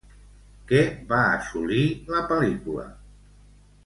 Què va assolir la pel·lícula?